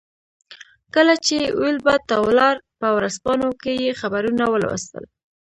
کله چې ویلباډ ته ولاړ په ورځپاڼو کې یې خبرونه ولوستل.